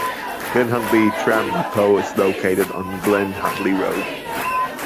Glenhuntly tram depot is located on Glen Huntly Road.